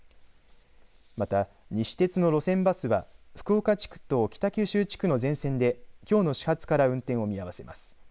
また西鉄の路線バスは福岡地区と北九州地区の全線できょうの始発から運転を見合わせます。